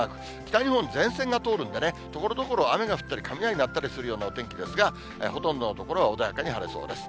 北日本、前線が通るんでね、ところどころ雨が降ったり、雷がなったりするようなお天気ですが、ほとんどの所は穏やかに晴れそうです。